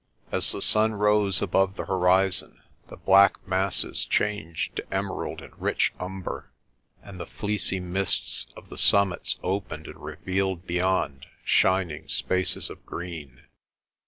As the sun rose above the hori zon, the black masses changed to emerald and rich umber, and the fleecy mists of the summits opened and revealed beyond shining spaces of green.